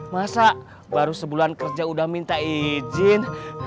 masa baru sebulan kerja udah minta izin